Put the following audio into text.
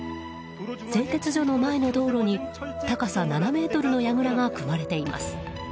製鉄所の前の道路に、高さ７ｍのやぐらが組まれています。